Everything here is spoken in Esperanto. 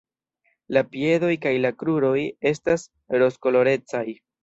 La piedoj kaj la kruroj estas rozkolorecaj.